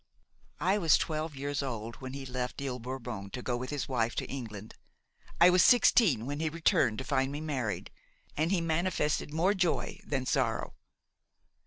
"1 was twelve years old when he left Ile Bourbon to go with his wife to England; I was sixteen when he returned to find me married, and he manifested more joy than sorrow.